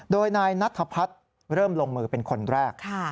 โดยนายนัทพัฒน์เริ่มลงมือเป็นคนแรก